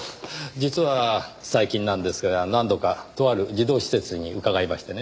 実は最近なんですが何度かとある児童施設に伺いましてね。